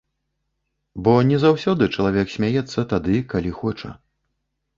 Бо не заўсёды чалавек смяецца тады, калі хоча.